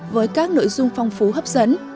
với các nội dung phong phú hấp dẫn